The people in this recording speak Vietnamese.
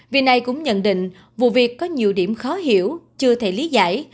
vì này cũng nhận định vụ việc có nhiều điểm khó hiểu chưa thể lý giải